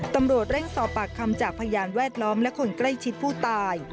ตำรวจเร่งสอบปากคำจากพยานแวดล้อมและคนใกล้ชิดผู้ตาย